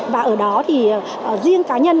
và ở đó thì riêng cá nhân